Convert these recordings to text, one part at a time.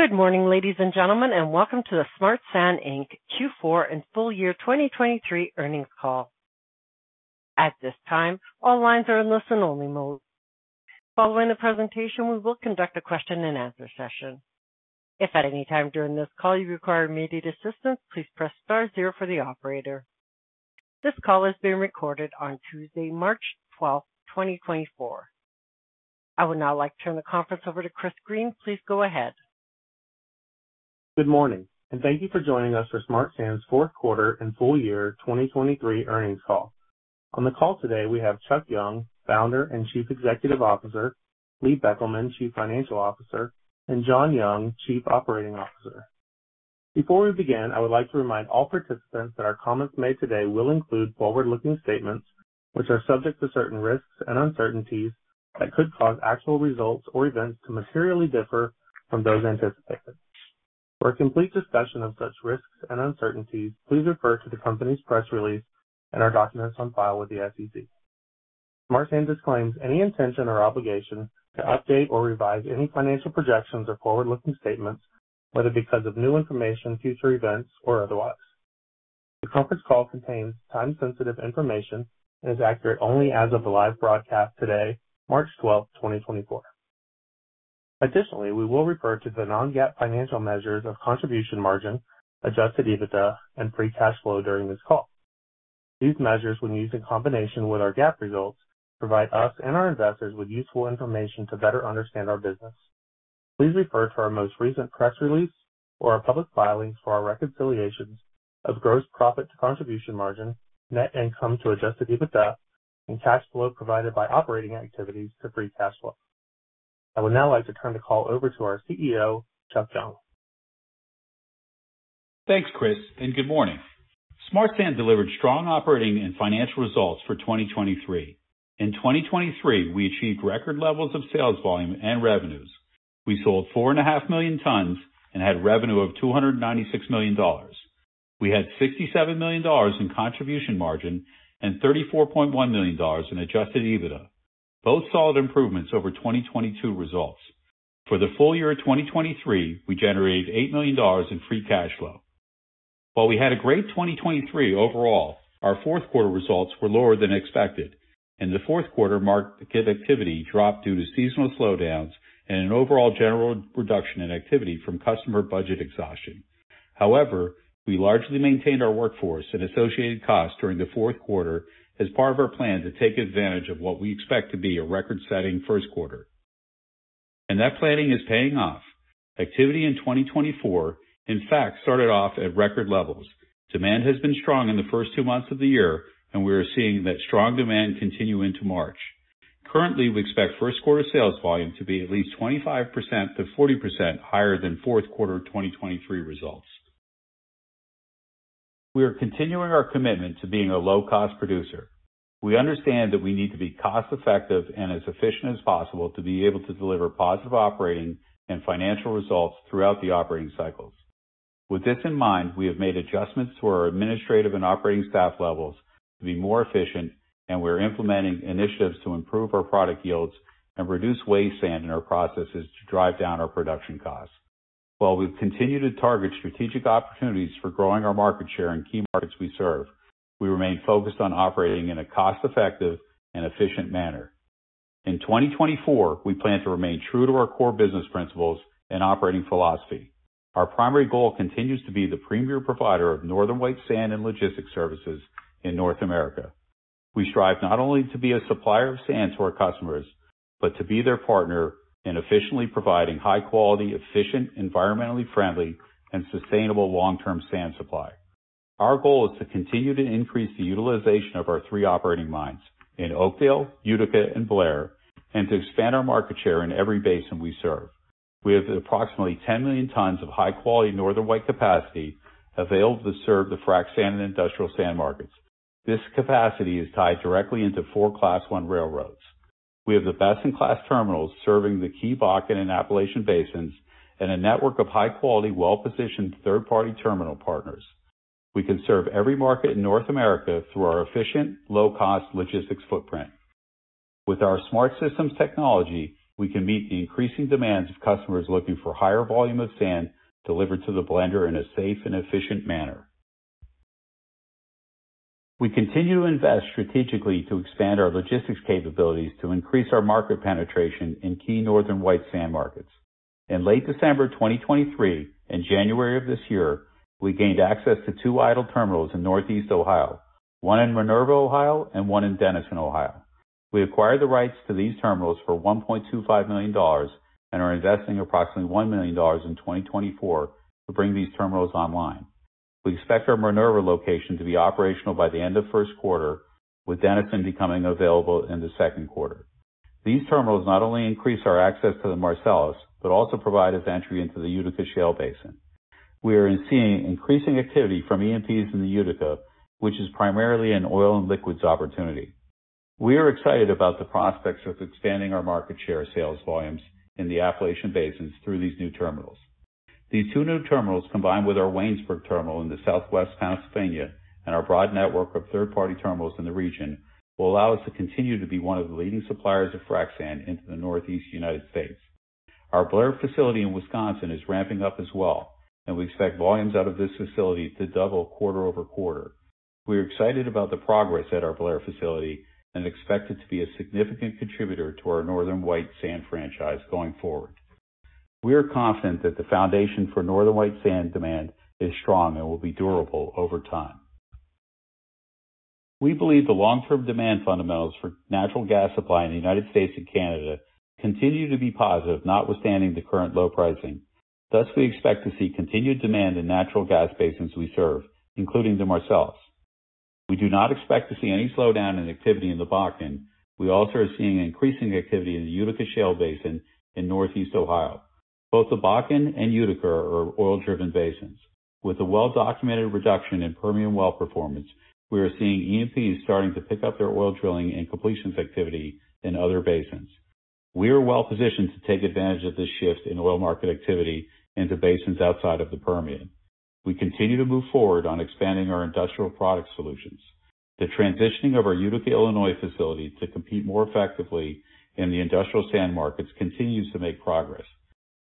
Good morning, ladies and gentlemen, and welcome to the Smart Sand, Inc. Q4 and full year 2023 earnings call. At this time, all lines are in listen-only mode. Following the presentation, we will conduct a question and answer session. If at any time during this call you require immediate assistance, please press star zero for the operator. This call is being recorded on Tuesday, March 12, 2024. I would now like to turn the conference over to Chris Green. Please go ahead. Good morning, and thank you for joining us for Smart Sand's fourth quarter and full year 2023 earnings call. On the call today, we have Chuck Young, Founder and Chief Executive Officer, Lee Beckelman, Chief Financial Officer, and John Young, Chief Operating Officer. Before we begin, I would like to remind all participants that our comments made today will include forward-looking statements, which are subject to certain risks and uncertainties that could cause actual results or events to materially differ from those anticipated. For a complete discussion of such risks and uncertainties, please refer to the company's press release and our documents on file with the SEC. Smart Sand disclaims any intention or obligation to update or revise any financial projections or forward-looking statements, whether because of new information, future events, or otherwise. The conference call contains time-sensitive information and is accurate only as of the live broadcast today, March 12, 2024. Additionally, we will refer to the non-GAAP financial measures of contribution margin, Adjusted EBITDA, and Free Cash Flow during this call. These measures, when used in combination with our GAAP results, provide us and our investors with useful information to better understand our business. Please refer to our most recent press release or our public filings for our reconciliations of gross profit to contribution margin, net income to Adjusted EBITDA, and cash flow provided by operating activities to Free Cash Flow. I would now like to turn the call over to our CEO, Chuck Young. Thanks, Chris, and good morning. Smart Sand delivered strong operating and financial results for 2023. In 2023, we achieved record levels of sales volume and revenues. We sold 4.5 million tons and had revenue of $296 million. We had $67 million in Contribution Margin and $34.1 million in Adjusted EBITDA, both solid improvements over 2022 results. For the full year of 2023, we generated $8 million in Free Cash Flow. While we had a great 2023 overall, our fourth quarter results were lower than expected, and the fourth quarter marked the activity dropped due to seasonal slowdowns and an overall general reduction in activity from customer budget exhaustion. However, we largely maintained our workforce and associated costs during the fourth quarter as part of our plan to take advantage of what we expect to be a record-setting first quarter, and that planning is paying off. Activity in 2024, in fact, started off at record levels. Demand has been strong in the first two months of the year, and we are seeing that strong demand continue into March. Currently, we expect first quarter sales volume to be at least 25%-40% higher than fourth quarter 2023 results. We are continuing our commitment to being a low-cost producer. We understand that we need to be cost-effective and as efficient as possible to be able to deliver positive operating and financial results throughout the operating cycles. With this in mind, we have made adjustments to our administrative and operating staff levels to be more efficient, and we are implementing initiatives to improve our product yields and reduce waste sand in our processes to drive down our production costs. While we've continued to target strategic opportunities for growing our market share in key markets we serve, we remain focused on operating in a cost-effective and efficient manner. In 2024, we plan to remain true to our core business principles and operating philosophy. Our primary goal continues to be the premier provider of Northern White sand and logistics services in North America. We strive not only to be a supplier of sand to our customers, but to be their partner in efficiently providing high quality, efficient, environmentally friendly, and sustainable long-term sand supply. Our goal is to continue to increase the utilization of our three operating mines in Oakdale, Utica, and Blair, and to expand our market share in every basin we serve. We have approximately 10 million tons of high-quality Northern White capacity available to serve the frac sand and industrial sand markets. This capacity is tied directly into four Class I railroads. We have the best-in-class terminals serving the key Bakken and Appalachian basins and a network of high-quality, well-positioned third-party terminal partners. We can serve every market in North America through our efficient, low-cost logistics footprint. With our SmartSystems technology, we can meet the increasing demands of customers looking for higher volume of sand delivered to the blender in a safe and efficient manner. We continue to invest strategically to expand our logistics capabilities to increase our market penetration in key Northern White sand markets. In late December 2023 and January of this year, we gained access to two idle terminals in Northeast Ohio, one in Minerva, Ohio, and one in Dennison, Ohio. We acquired the rights to these terminals for $1.25 million and are investing approximately $1 million in 2024 to bring these terminals online. We expect our Minerva location to be operational by the end of first quarter, with Dennison becoming available in the second quarter. These terminals not only increase our access to the Marcellus, but also provide us entry into the Utica Shale Basin. We are seeing increasing activity from E&Ps in the Utica, which is primarily an oil and liquids opportunity. We are excited about the prospects of expanding our market share sales volumes in the Appalachian basins through these new terminals. These two new terminals, combined with our Waynesburg terminal in the southwest Pennsylvania and our broad network of third-party terminals in the region, will allow us to continue to be one of the leading suppliers of frac sand into the Northeast United States. Our Blair facility in Wisconsin is ramping up as well, and we expect volumes out of this facility to double quarter-over-quarter. We are excited about the progress at our Blair facility and expect it to be a significant contributor to our Northern White sand franchise going forward. We are confident that the foundation for Northern White sand demand is strong and will be durable over time. We believe the long-term demand fundamentals for natural gas supply in the United States and Canada continue to be positive, notwithstanding the current low pricing. Thus, we expect to see continued demand in natural gas basins we serve, including the Marcellus. We do not expect to see any slowdown in activity in the Bakken. We also are seeing an increasing activity in the Utica Shale Basin in Northeast Ohio. Both the Bakken and Utica are oil-driven basins. With a well-documented reduction in Permian well performance, we are seeing E&Ps starting to pick up their oil drilling and completions activity in other basins. We are well positioned to take advantage of this shift in oil market activity into basins outside of the Permian. We continue to move forward on expanding our Industrial Product Solutions. The transitioning of our Utica, Illinois, facility to compete more effectively in the industrial sand markets continues to make progress.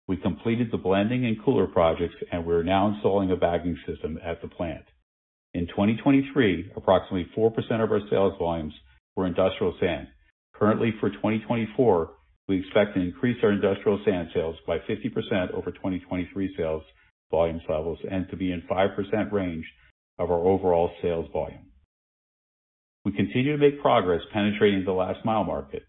We completed the blending and cooler projects, and we're now installing a bagging system at the plant. In 2023, approximately 4% of our sales volumes were industrial sand. Currently, for 2024, we expect to increase our industrial sand sales by 50% over 2023 sales volumes levels, and to be in 5% range of our overall sales volume. We continue to make progress penetrating the last mile market.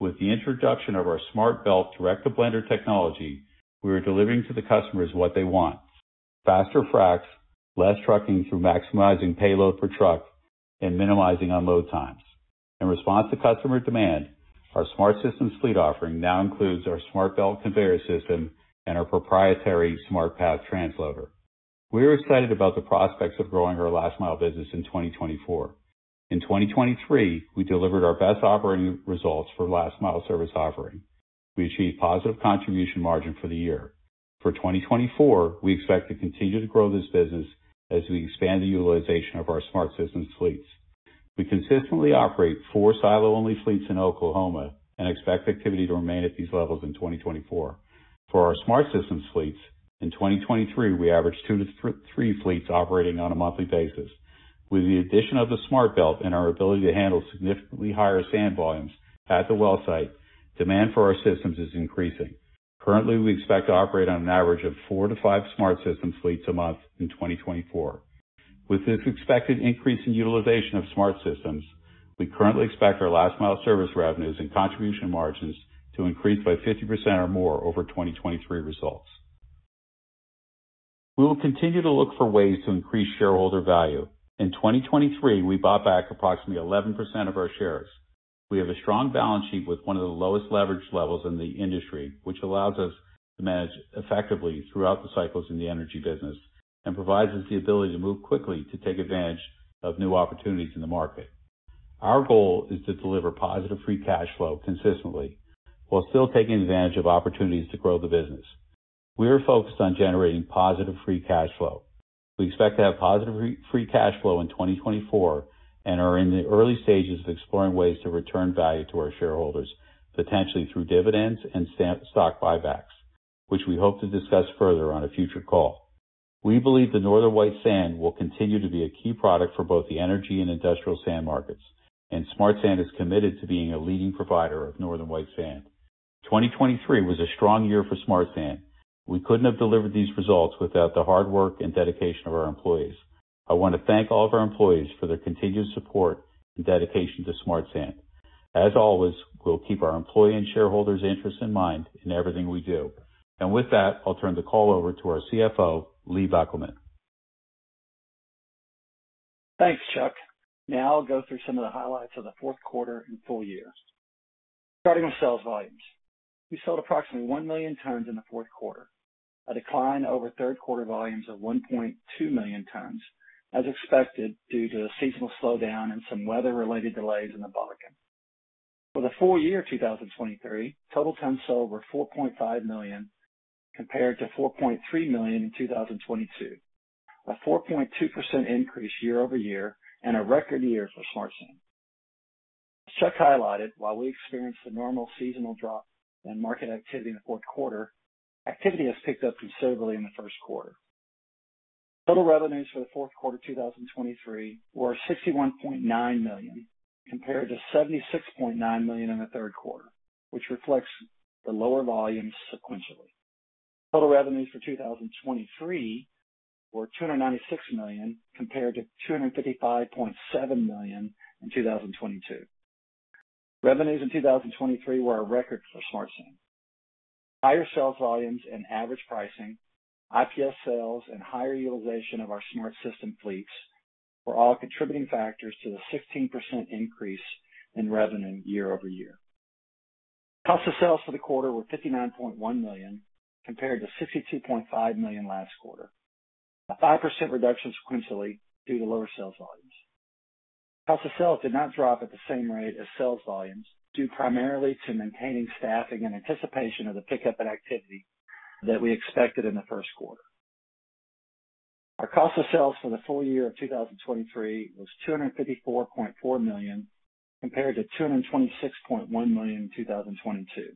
With the introduction of our SmartBelt direct-to-blender technology, we are delivering to the customers what they want: faster fracs, less trucking through maximizing payload per truck, and minimizing unload times. In response to customer demand, our SmartSystems fleet offering now includes our SmartBelt conveyor system and our proprietary SmartPath transloader. We are excited about the prospects of growing our last mile business in 2024. In 2023, we delivered our best operating results for last mile service offering. We achieved positive contribution margin for the year. For 2024, we expect to continue to grow this business as we expand the utilization of our SmartSystems fleets. We consistently operate four silo-only fleets in Oklahoma and expect activity to remain at these levels in 2024. For our SmartSystems fleets, in 2023, we averaged two-three fleets operating on a monthly basis. With the addition of the SmartBelt and our ability to handle significantly higher sand volumes at the well site, demand for our systems is increasing. Currently, we expect to operate on an average of four-five SmartSystems fleets a month in 2024. With this expected increase in utilization of SmartSystems, we currently expect our last mile service revenues and contribution margins to increase by 50% or more over 2023 results. We will continue to look for ways to increase shareholder value. In 2023, we bought back approximately 11% of our shares. We have a strong balance sheet with one of the lowest leverage levels in the industry, which allows us to manage effectively throughout the cycles in the energy business and provides us the ability to move quickly to take advantage of new opportunities in the market. Our goal is to deliver positive free cash flow consistently, while still taking advantage of opportunities to grow the business. We are focused on generating positive free cash flow. We expect to have positive free cash flow in 2024 and are in the early stages of exploring ways to return value to our shareholders, potentially through dividends and stock buybacks, which we hope to discuss further on a future call. We believe the Northern White sand will continue to be a key product for both the energy and industrial sand markets, and Smart Sand is committed to being a leading provider of Northern White sand. 2023 was a strong year for Smart Sand. We couldn't have delivered these results without the hard work and dedication of our employees. I want to thank all of our employees for their continued support and dedication to Smart Sand. As always, we'll keep our employee and shareholders' interests in mind in everything we do. With that, I'll turn the call over to our CFO, Lee Beckelman. Thanks, Chuck. Now I'll go through some of the highlights of the fourth quarter and full year. Starting with sales volumes. We sold approximately 1 million tons in the fourth quarter, a decline over third quarter volumes of 1.2 million tons, as expected, due to a seasonal slowdown and some weather-related delays in the Bakken. For the full year, 2023, total tons sold were 4.5 million, compared to 4.3 million in 2022, a 4.2% increase year-over-year and a record year for Smart Sand. Chuck highlighted. While we experienced a normal seasonal drop in market activity in the fourth quarter, activity has picked up considerably in the first quarter. Total revenues for the fourth quarter, 2023, were $61.9 million, compared to $76.9 million in the third quarter, which reflects the lower volumes sequentially. Total revenues for 2023 were $296 million, compared to $255.7 million in 2022. Revenues in 2023 were a record for Smart Sand. Higher sales volumes and average pricing, IPS sales, and higher utilization of our Smart System fleets were all contributing factors to the 16% increase in revenue year-over-year. Cost of sales for the quarter were $59.1 million, compared to $62.5 million last quarter. A 5% reduction sequentially due to lower sales volumes. Cost of sales did not drop at the same rate as sales volumes, due primarily to maintaining staffing in anticipation of the pickup in activity that we expected in the first quarter. Our cost of sales for the full year of 2023 was $254.4 million, compared to $226.1 million in 2022.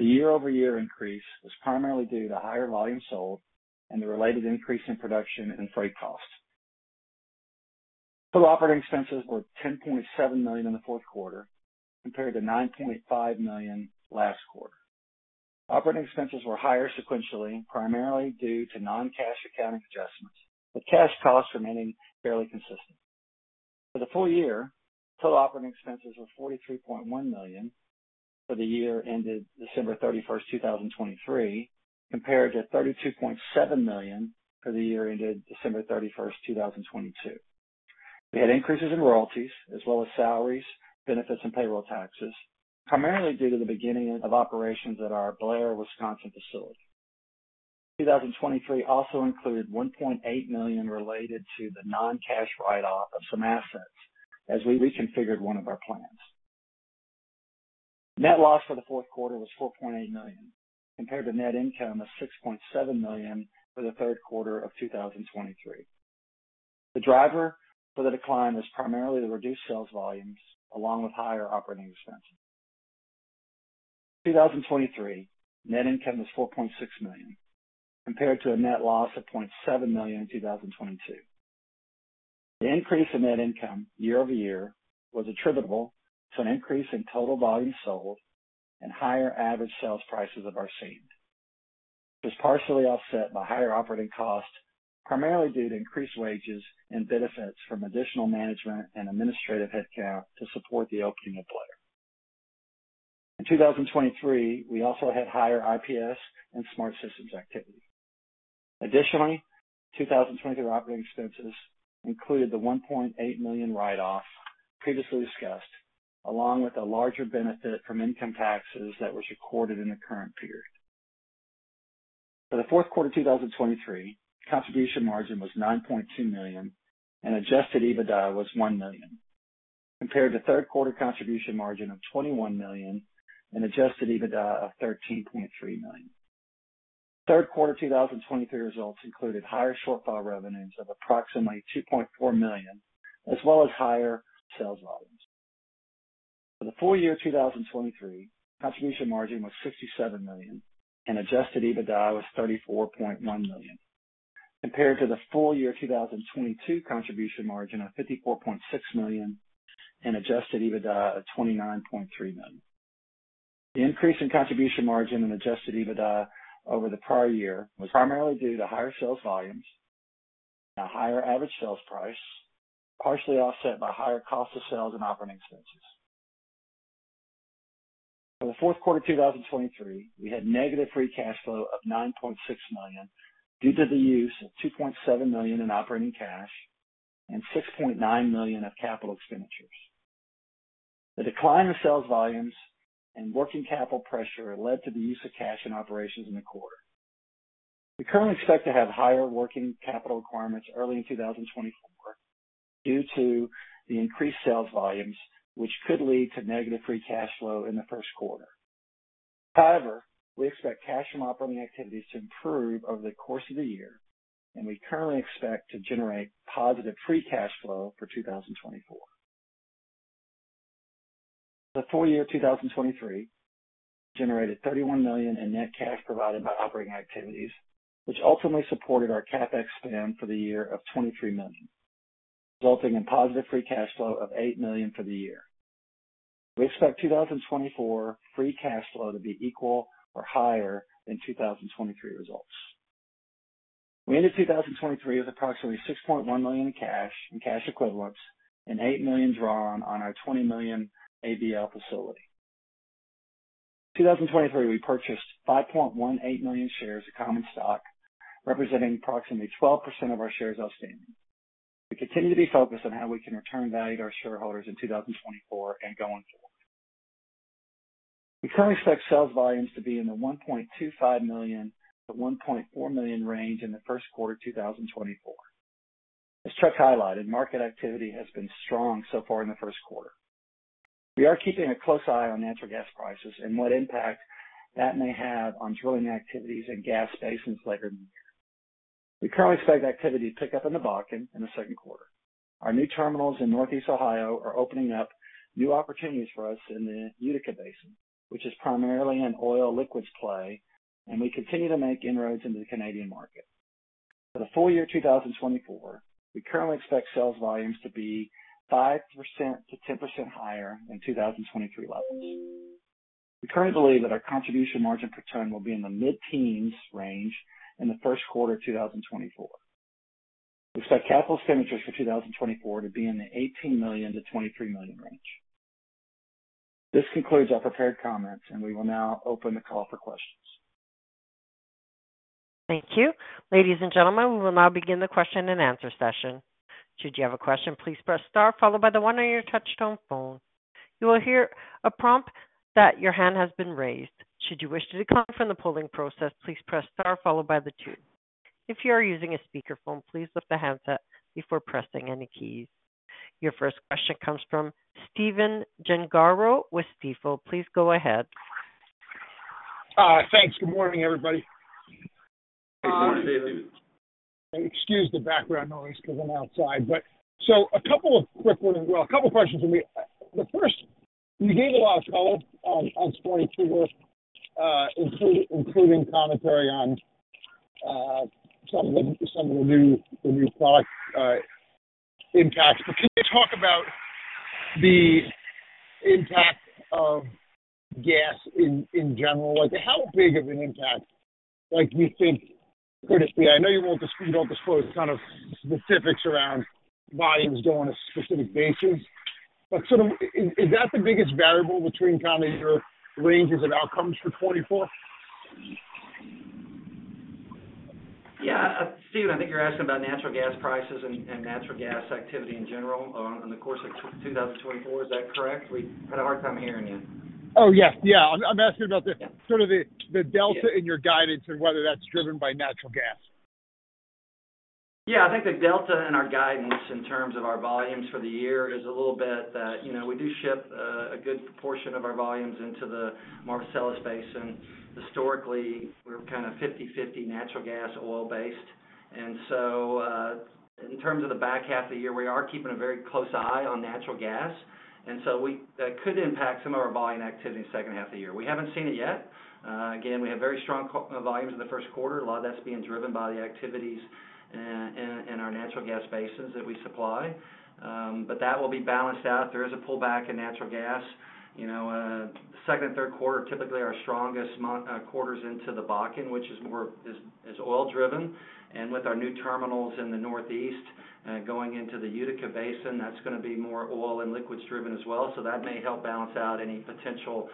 The year-over-year increase was primarily due to higher volume sold and the related increase in production and freight costs. Total operating expenses were $10.7 million in the fourth quarter, compared to $9.5 million last quarter. Operating expenses were higher sequentially, primarily due to non-cash accounting adjustments, with cash costs remaining fairly consistent. For the full year, total operating expenses were $43.1 million for the year ended December 31, 2023, compared to $32.7 million for the year ended December 31, 2022. We had increases in royalties as well as salaries, benefits, and payroll taxes, primarily due to the beginning of operations at our Blair, Wisconsin facility. 2023 also included $1.8 million related to the non-cash write-off of some assets as we reconfigured one of our plants. Net loss for the fourth quarter was $4.8 million, compared to net income of $6.7 million for the third quarter of 2023. The driver for the decline is primarily the reduced sales volumes along with higher operating expenses. 2023 net income was $4.6 million, compared to a net loss of $0.7 million in 2022. The increase in net income year-over-year was attributable to an increase in total volume sold and higher average sales prices of our sand. It was partially offset by higher operating costs, primarily due to increased wages and benefits from additional management and administrative headcount to support the opening of Blair. In 2023, we also had higher IPS and SmartSystems activity. Additionally, 2023 operating expenses included the $1.8 million write-offs previously discussed, along with a larger benefit from income taxes that was recorded in the current period. For the fourth quarter of 2023, Contribution Margin was $9.2 million, and Adjusted EBITDA was $1 million, compared to third quarter Contribution Margin of $21 million and Adjusted EBITDA of $13.3 million. Third quarter 2023 results included higher shortfall revenues of approximately $2.4 million, as well as higher sales volumes. For the full year 2023, Contribution Margin was $67 million, and Adjusted EBITDA was $34.1 million, compared to the full year 2022 Contribution Margin of $54.6 million and Adjusted EBITDA of $29.3 million. The increase in Contribution Margin and Adjusted EBITDA over the prior year was primarily due to higher sales volumes and a higher average sales price, partially offset by higher cost of sales and operating expenses. For the fourth quarter of 2023, we had negative free cash flow of $9.6 million due to the use of $2.7 million in operating cash and $6.9 million of capital expenditures. The decline in sales volumes and working capital pressure led to the use of cash in operations in the quarter. We currently expect to have higher working capital requirements early in 2024 due to the increased sales volumes, which could lead to negative free cash flow in the first quarter. However, we expect cash from operating activities to improve over the course of the year, and we currently expect to generate positive free cash flow for 2024. The full year 2023 generated $31 million in net cash provided by operating activities, which ultimately supported our CapEx spend for the year of $23 million, resulting in positive free cash flow of $8 million for the year. We expect 2024 free cash flow to be equal or higher than 2023 results. We ended 2023 with approximately $6.1 million in cash and cash equivalents and $8 million drawn on our $20 million ABL facility. In 2023, we purchased 5.18 million shares of common stock, representing approximately 12% of our shares outstanding. We continue to be focused on how we can return value to our shareholders in 2024 and going forward. We currently expect sales volumes to be in the 1.25 million-1.4 million range in the first quarter of 2024. As Chuck highlighted, market activity has been strong so far in the first quarter. We are keeping a close eye on natural gas prices and what impact that may have on drilling activities in gas basins later in the year. We currently expect activity to pick up in the Bakken in the second quarter. Our new terminals in Northeast Ohio are opening up new opportunities for us in the Utica Basin, which is primarily an oil liquids play, and we continue to make inroads into the Canadian market. For the full year 2024, we currently expect sales volumes to be 5%-10% higher than 2023 levels. We currently believe that our contribution margin per ton will be in the mid-teens range in the first quarter of 2024. We expect capital expenditures for 2024 to be in the $18 million-$23 million range. This concludes our prepared comments, and we will now open the call for questions. Thank you. Ladies and gentlemen, we will now begin the question-and-answer session. Should you have a question, please press star followed by the one on your touchtone phone. You will hear a prompt that your hand has been raised. Should you wish to decline from the polling process, please press star followed by the two. If you are using a speakerphone, please lift the handset before pressing any keys. Your first question comes from Steven Gengaro with Stifel. Please go ahead.... Thanks. Good morning, everybody. Excuse the background noise because I'm outside. But so a couple of quick ones. Well, a couple questions for me. The first, you gave a lot of color on, on 2024, including commentary on, some of the, some of the new, the new product, impacts. But can you talk about the impact of gas in, in general? Like, how big of an impact, like, you think critically? I know you won't disclose kind of specifics around volumes go on a specific basis, but sort of, is, is that the biggest variable between kind of your ranges of outcomes for 2024? Yeah. Steven, I think you're asking about natural gas prices and, and natural gas activity in general, on the course of 2024. Is that correct? We had a hard time hearing you. Oh, yes. Yeah. I'm asking about the sort of delta in your guidance and whether that's driven by natural gas. Yeah, I think the delta in our guidance in terms of our volumes for the year is a little bit that, you know, we do ship a good proportion of our volumes into the Marcellus Basin. Historically, we're kind of 50/50 natural gas, oil-based. And so, in terms of the back half of the year, we are keeping a very close eye on natural gas, and so that could impact some of our volume activity in the second half of the year. We haven't seen it yet. Again, we have very strong volumes in the first quarter. A lot of that's being driven by the activities in our natural gas basins that we supply. But that will be balanced out. There is a pullback in natural gas. You know, second and third quarter, typically our strongest quarters into the Bakken, which is more oil-driven. And with our new terminals in the Northeast, going into the Utica Basin, that's gonna be more oil and liquids-driven as well. So that may help balance out any potential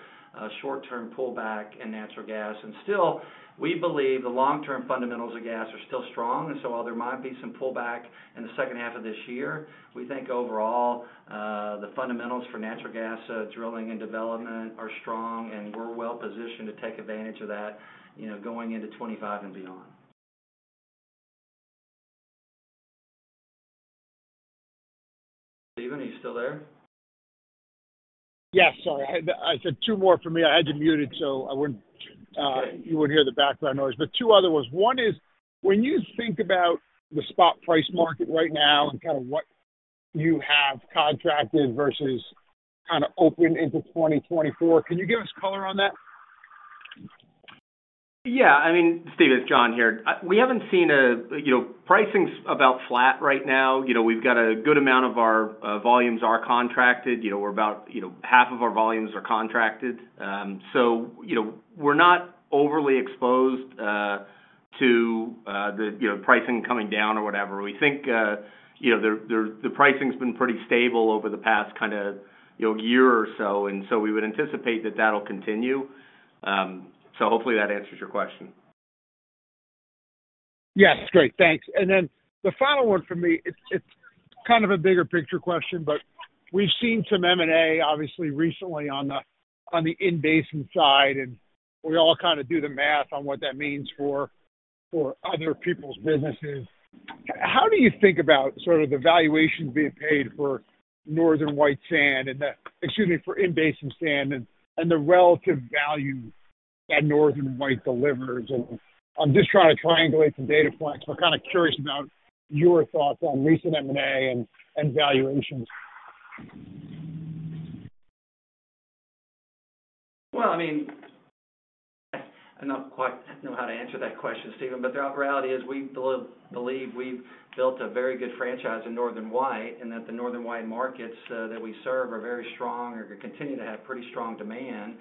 short-term pullback in natural gas. And still, we believe the long-term fundamentals of gas are still strong. And so while there might be some pullback in the second half of this year, we think overall, the fundamentals for natural gas drilling and development are strong, and we're well positioned to take advantage of that, you know, going into 2025 and beyond. Steven, are you still there? Yes, sorry. I, I said two more for me. I had to mute it, so I wouldn't, you would hear the background noise. But two other ones. One is, when you think about the spot price market right now and kind of what you have contracted versus kind of open into 2024, can you give us color on that? Yeah. I mean, Steven, it's John here. We haven't seen, you know, pricing's about flat right now. You know, we've got a good amount of our volumes are contracted. You know, we're about, you know, half of our volumes are contracted. So, you know, we're not overly exposed to the, you know, pricing coming down or whatever. We think, you know, the pricing's been pretty stable over the past kind of, you know, year or so, and so we would anticipate that that'll continue. So hopefully that answers your question. Yes. Great, thanks. And then the final one for me, it's kind of a bigger picture question, but we've seen some M&A obviously recently on the, on the in-basin side, and we all kind of do the math on what that means for, for other people's businesses. How do you think about sort of the valuations being paid for Northern White sand and the... Excuse me, for in-basin sand and, and the relative value that Northern White delivers? And I'm just trying to triangulate some data points. We're kind of curious about your thoughts on recent M&A and, and valuations. Well, I mean, I don't quite know how to answer that question, Steven, but the reality is we believe we've built a very good franchise in Northern White, and that the Northern White markets that we serve are very strong and continue to have pretty strong demand.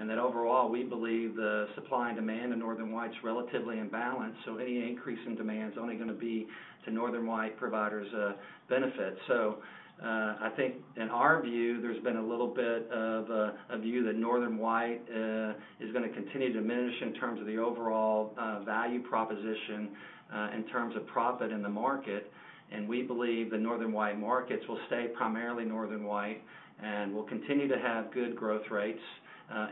And that overall, we believe the supply and demand in Northern White is relatively in balance, so any increase in demand is only gonna be to Northern White providers benefit. So, I think in our view, there's been a little bit of a view that Northern White is gonna continue to diminish in terms of the overall value proposition in terms of profit in the market. We believe the Northern White markets will stay primarily Northern White, and we'll continue to have good growth rates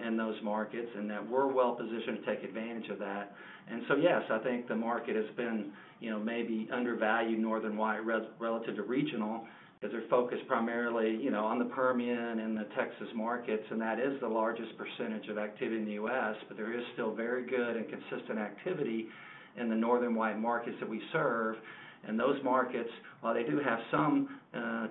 in those markets, and that we're well positioned to take advantage of that. And so, yes, I think the market has been, you know, maybe undervalued Northern White relative to regional, because they're focused primarily, you know, on the Permian and the Texas markets, and that is the largest percentage of activity in the U.S. But there is still very good and consistent activity in the Northern White markets that we serve. And those markets, while they do have some,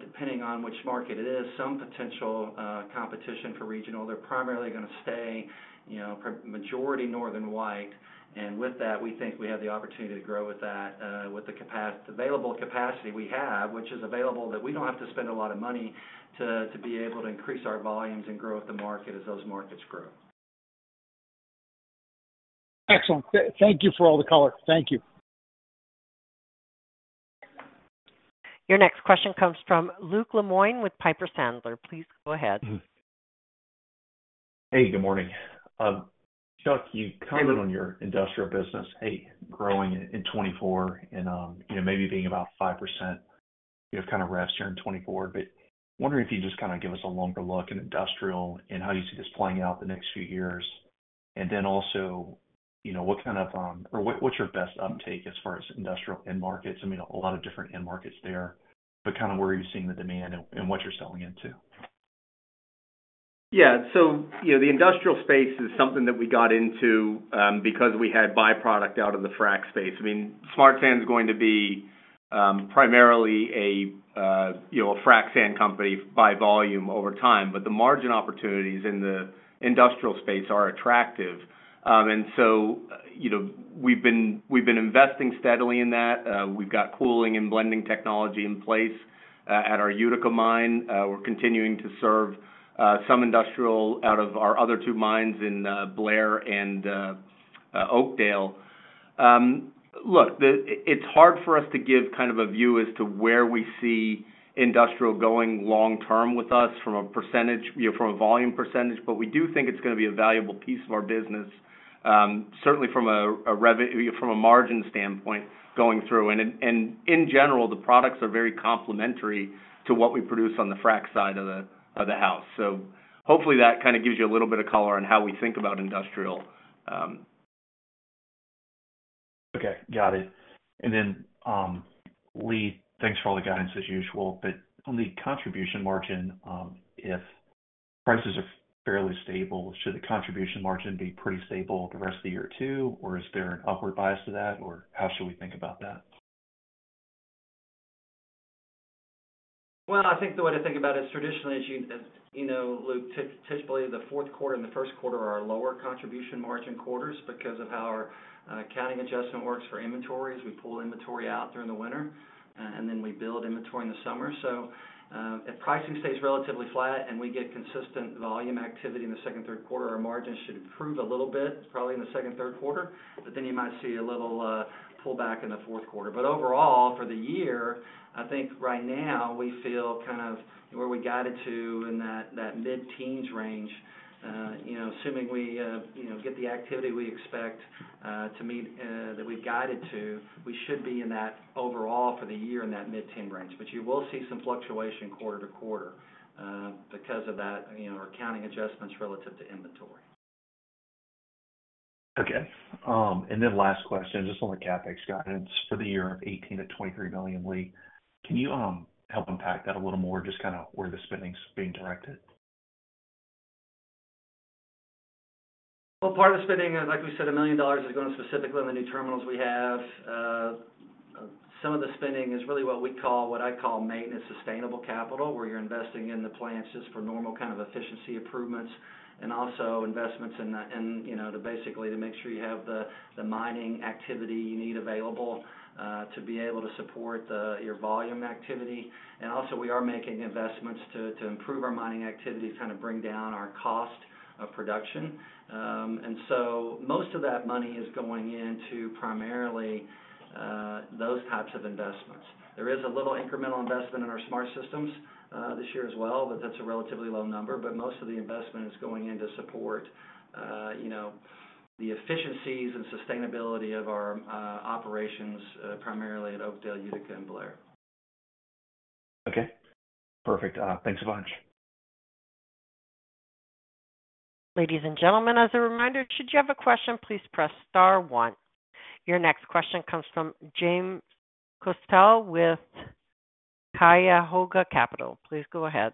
depending on which market it is, some potential competition for regional, they're primarily gonna stay, you know, majority Northern White. With that, we think we have the opportunity to grow with that, with the available capacity we have, which is available, that we don't have to spend a lot of money to be able to increase our volumes and grow with the market as those markets grow. Excellent. Thank you for all the color. Thank you. Your next question comes from Luke Lemoine with Piper Sandler. Please go ahead. Hey, good morning. Chuck, you commented on your industrial business growing in 2024 and, you know, maybe being about 5%, you know, kind of the rest of the year in 2024. But wondering if you just kind of give us a longer look in industrial and how you see this playing out the next few years. And then also, you know, what kind of, or what, what's your best update as far as industrial end markets? I mean, a lot of different end markets there, but kind of where are you seeing the demand and what you're selling into? Yeah. So, you know, the industrial space is something that we got into, because we had byproducts out of the frack space. I mean, Smart Sand is going to be, primarily a, you know, a frack sand company by volume over time, but the margin opportunities in the industrial space are attractive. And so, you know, we've been, we've been investing steadily in that. We've got cooling and blending technology in place, at our Utica mine. We're continuing to serve some industrial out of our other two mines in Blair and Oakdale. Look, it's hard for us to give kind of a view as to where we see industrial going long term with us from a percentage, you know, from a volume percentage, but we do think it's gonna be a valuable piece of our business, certainly from a margin standpoint, going through. And in general, the products are very complementary to what we produce on the frack side of the house. So hopefully, that kind of gives you a little bit of color on how we think about industrial. Okay, got it. And then, Lee, thanks for all the guidance as usual, but on the contribution margin, if prices are fairly stable, should the contribution margin be pretty stable the rest of the year, too? Or is there an upward bias to that, or how should we think about that? Well, I think the way to think about it is traditionally, as you know, Luke, typically, the fourth quarter and the first quarter are our lower contribution margin quarters because of how our accounting adjustment works for inventories. We pull inventory out during the winter, and then we build inventory in the summer. So, if pricing stays relatively flat and we get consistent volume activity in the second, third quarter, our margins should improve a little bit, probably in the second, third quarter. But then you might see a little pullback in the fourth quarter. But overall, for the year, I think right now we feel kind of where we guided to in that mid-teens range. You know, assuming we, you know, get the activity we expect to meet that we've guided to, we should be in that overall for the year, in that mid-teen range. But you will see some fluctuation quarter to quarter, because of that, you know, our accounting adjustments relative to inventory. Okay. And then last question, just on the CapEx guidance for the year, $18 million-$23 million Lee. Can you help unpack that a little more, just kind of where the spending is being directed? Well, part of the spending, like we said, $1 million is going specifically on the new terminals we have. Some of the spending is really what we call, what I call maintenance, sustainable capital, where you're investing in the plants just for normal kind of efficiency improvements and also investments, you know, to basically to make sure you have the mining activity you need available, to be able to support your volume activity. And also, we are making investments to improve our mining activity to kind of bring down our cost of production. And so most of that money is going into primarily, those types of investments. There is a little incremental investment in our smart systems, this year as well, but that's a relatively low number. But most of the investment is going in to support, you know, the efficiencies and sustainability of our operations, primarily at Oakdale, Utica, and Blair. Okay, perfect. Thanks a bunch. Ladies and gentlemen, as a reminder, should you have a question, please press Star One. Your next question comes from James Costello with Cuyahoga Capital. Please go ahead.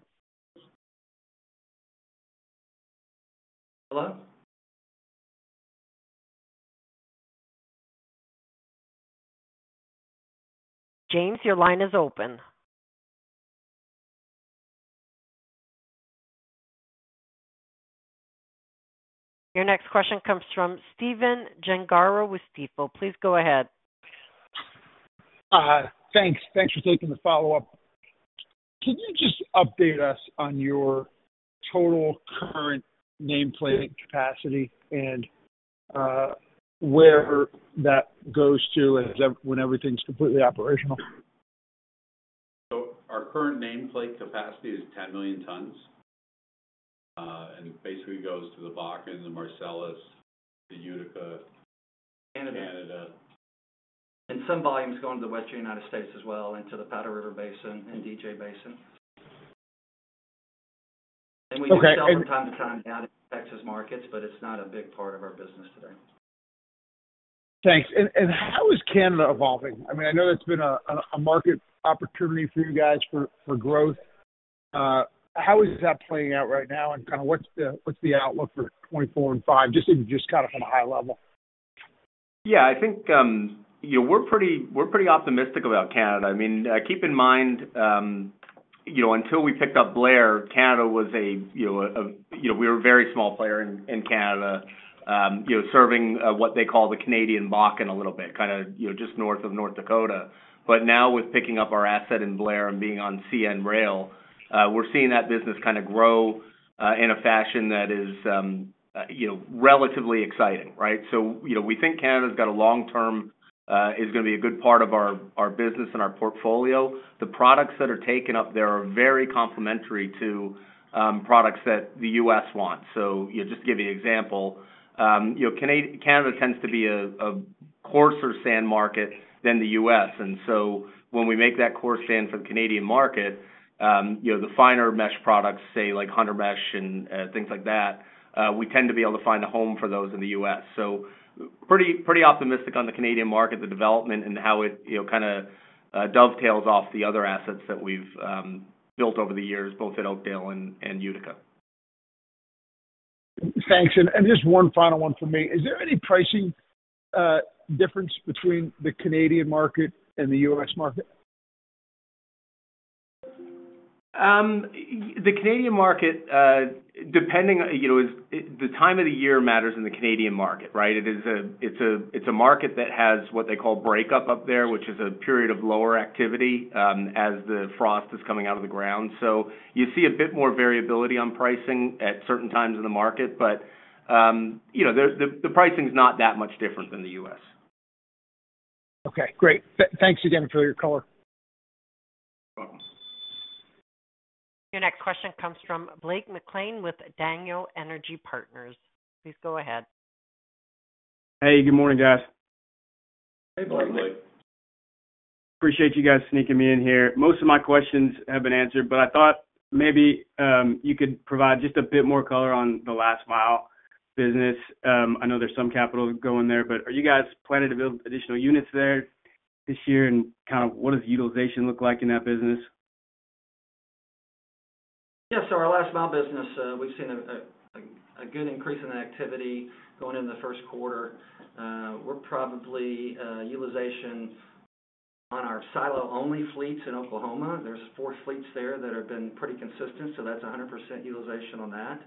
Hello? James, your line is open. Your next question comes from Steven Gengaro with Stifel. Please go ahead. Thanks. Thanks for taking the follow-up. Can you just update us on your total current nameplate capacity and where that goes to and when everything's completely operational? Our current nameplate capacity is 10 million tons and basically goes to the Bakken, the Marcellus, the Utica, Canada. Some volumes going to the western United States as well, into the Powder River Basin and DJ Basin. Okay, and- We sell from time to time down in Texas markets, but it's not a big part of our business today. Thanks. And how is Canada evolving? I mean, I know that's been a market opportunity for you guys for growth. How is that playing out right now, and kind of what's the outlook for 2024 and 2025? Just kind of from a high level. Yeah, I think, you know, we're pretty, we're pretty optimistic about Canada. I mean, keep in mind, you know, until we picked up Blair, Canada was, you know, we were a very small player in Canada, you know, serving what they call the Canadian Bakken a little bit, kind of, you know, just north of North Dakota. But now with picking up our asset in Blair and being on CN Rail, we're seeing that business kind of grow in a fashion that is, you know, relatively exciting, right? So, you know, we think Canada's got a long-term, is gonna be a good part of our business and our portfolio. The products that are taken up there are very complementary to products that the U.S. wants. So, you know, just give you an example. Canada tends to be a coarser sand market than the U.S. And so when we make that coarse sand for the Canadian market, the finer mesh products, say, like, 100 mesh and things like that, we tend to be able to find a home for those in the U.S. So pretty optimistic on the Canadian market, the development and how it, you know, kind of dovetails off the other assets that we've built over the years, both at Oakdale and Utica. Thanks. And just one final one for me. Is there any pricing difference between the Canadian market and the U.S. market? The Canadian market, you know, the time of the year matters in the Canadian market, right? It's a market that has what they call breakup up there, which is a period of lower activity as the frost is coming out of the ground. So you see a bit more variability on pricing at certain times in the market. But, you know, the pricing is not that much different than the U.S. Okay, great. Thanks again for your color. No problem. Your next question comes from Blake McLean with Daniel Energy Partners. Please go ahead. Hey, good morning, guys. Hey, Blake. Hey, Blake. Appreciate you guys sneaking me in here. Most of my questions have been answered, but I thought maybe, you could provide just a bit more color on the last mile business. I know there's some capital going there, but are you guys planning to build additional units there this year? And kind of what does utilization look like in that business? Yes. So our last mile business, we've seen a good increase in activity going in the first quarter. We're probably utilization on our silo-only fleets in Oklahoma. There's four fleets there that have been pretty consistent, so that's 100% utilization on that.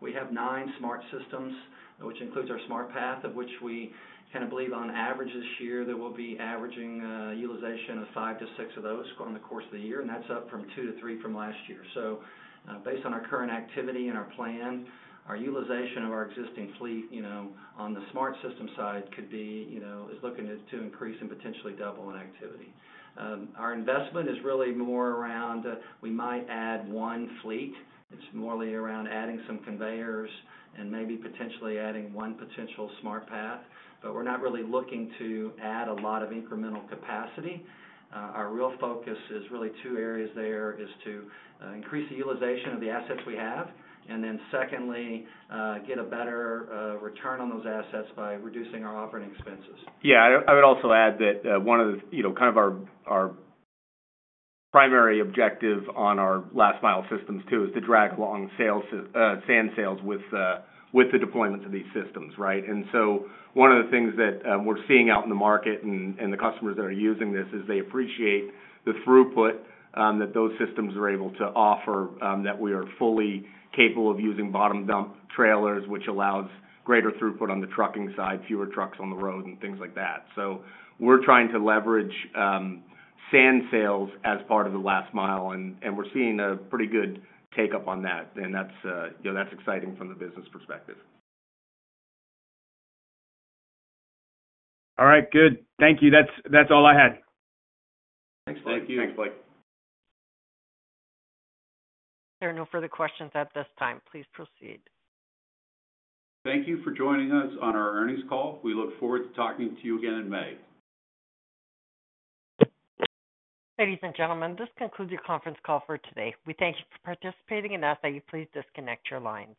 We have nine SmartSystems, which includes our SmartPath, of which we kind of believe on average this year, there will be averaging utilization of five-six of those over the course of the year, and that's up from two-three from last year. So, based on our current activity and our plan, our utilization of our existing fleet, you know, on the SmartSystems side could be, you know, is looking to increase and potentially double in activity. Our investment is really more around, we might add one fleet. It's more only around adding some conveyors and maybe potentially adding one potential SmartPath, but we're not really looking to add a lot of incremental capacity. Our real focus is really two areas there, is to, increase the utilization of the assets we have and then secondly, get a better, return on those assets by reducing our operating expenses. Yeah. I would also add that, one of the, you know, kind of our primary objective on our last mile systems, too, is to drag along sales, sand sales with the deployment of these systems, right? And so one of the things that we're seeing out in the market and the customers that are using this, is they appreciate the throughput, that those systems are able to offer, that we are fully capable of using bottom dump trailers, which allows greater throughput on the trucking side, fewer trucks on the road, and things like that. So we're trying to leverage, sand sales as part of the last mile, and we're seeing a pretty good take-up on that, and that's, you know, that's exciting from the business perspective. All right, good. Thank you. That's, that's all I had. Thanks, Blake. Thank you. Thanks, Blake. There are no further questions at this time. Please proceed. Thank you for joining us on our earnings call. We look forward to talking to you again in May. Ladies and gentlemen, this concludes your conference call for today. We thank you for participating and ask that you please disconnect your lines.